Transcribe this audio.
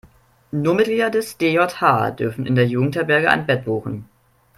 Nur Mitglieder des DJH dürfen in der Jugendherberge ein Bett buchen.